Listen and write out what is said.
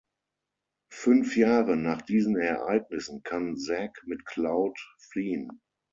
Fünf Jahre nach diesen Ereignissen kann Zack mit Cloud fliehen.